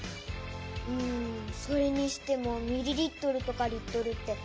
うんそれにしてもミリリットルとかリットルって。